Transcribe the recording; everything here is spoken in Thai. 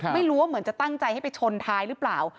ไม่รู้ว่าเหมือนจะตั้งใจให้ไปชนท้ายหรือเปล่า